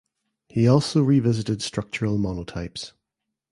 He also revisited structural monotypes.